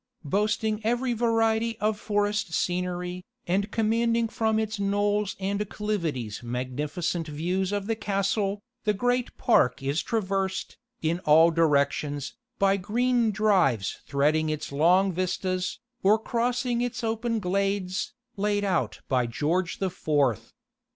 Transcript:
Boasting every variety of forest scenery, and commanding from its knolls and acclivities magnificent views of the castle, the great park is traversed, in all directions, by green drives threading its long vistas, or crossing its open glades, laid out by George the Fourth.